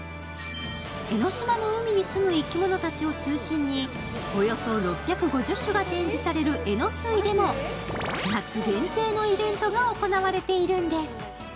江の島の海にすむ生き物たちを中心に、およそ６５０種が展示されるえのすいでも夏限定のイベントが行われているんです。